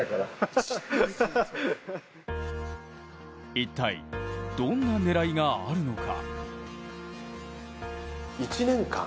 一体どんな狙いがあるのか。